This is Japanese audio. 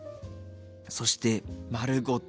そして丸ごと